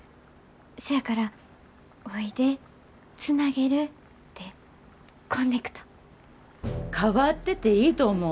せやからおいでつなげるで「こんねくと」。変わってていいと思う。